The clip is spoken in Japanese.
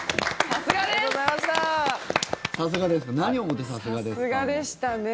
さすがでしたね。